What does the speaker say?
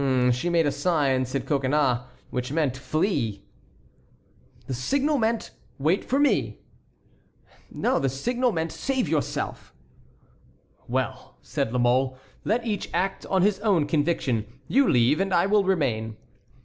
'" "She made a sign," said Coconnas, "which meant 'flee!'" "The signal meant 'wait for me.'" "The signal meant 'save yourself.'" "Well," said La Mole, "let each act on his own conviction; you leave and I will remain."